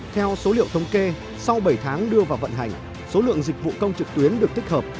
theo số liệu thống kê sau bảy tháng đưa vào vận hành số lượng dịch vụ công trực tuyến được tích hợp